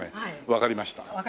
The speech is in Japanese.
わかりました？